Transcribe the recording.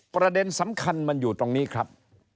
ประเด็นสำคัญมันอยู่ตรงนี้ครับ